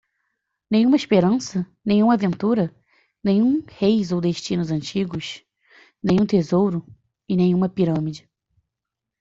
Nenhuma esperança? nenhuma aventura? nenhum reis ou destinos antigos? nenhum tesouro? e nenhuma pirâmide.